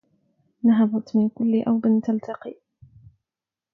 نهضت من كل أوب تلتقي